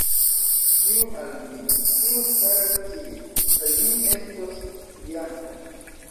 Diru al mi, kiu staras tie, kaj mi estos scianta.